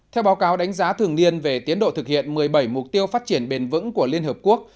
theo báo cáo đánh giá thường niên về tiến độ thực hiện một mươi bảy mục tiêu phát triển bền vững của liên hợp quốc